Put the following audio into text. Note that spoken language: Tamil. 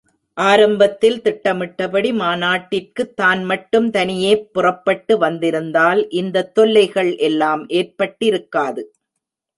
ஆரம்பத்தில் திட்டமிட்டபடி மாநாட்டிற்கு தான் மட்டும் தனியேப் புறப்பட்டு வந்திருந்தால் இந்த தொல்லைகள் எல்லாம் ஏற்பட்டிருக்காது.